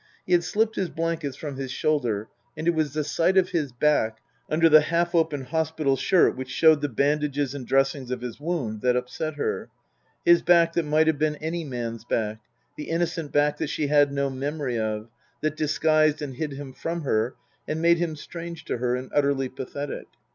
He had slipped his blankets from his shoulder, and it was the sight of his back under the half open hospital shirt which showed the bandages and dressings of his wound that upset her ; his back that might have been any man's back, the innocent back that she had no memory of, that disguised and hid him from her and made him strange to her and utterly pathetic.